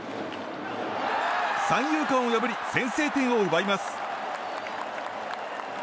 三遊間を破り先制点を奪います。